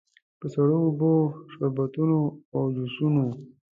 په سړو اوبو، شربتونو او جوسونو.